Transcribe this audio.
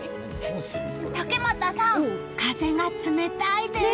竹俣さん、風が冷たいです。